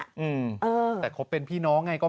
การนอนไม่จำเป็นต้องมีอะไรกัน